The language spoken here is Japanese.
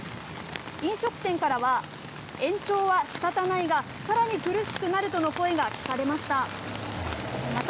飲食店からは延長は仕方ないが更に苦しくなるとの声が聞かれました。